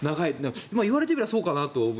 言われてみれば、そうかなと。